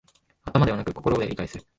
頭ではなく心で理解する